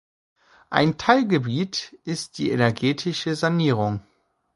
Ein Teilgebiet ist die energetische Sanierung.